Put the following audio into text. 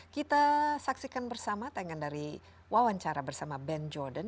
kita saksikan bersama tayangan dari wawancara bersama ben jordan